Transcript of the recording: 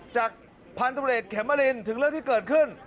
จากพันธุ์ตำรวจเอกแคมเมอรินถึงเรื่องที่เกิดขึ้น